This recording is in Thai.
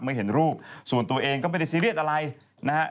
เห็นรูปส่วนตัวเองก็ไม่ได้ซีเรียสอะไรนะฮะ